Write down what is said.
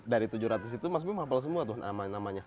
dari tujuh ratus itu mas bima hafal semua tuh namanya